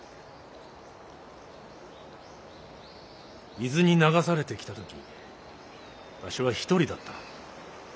伊豆に流されてきた時わしは一人だった。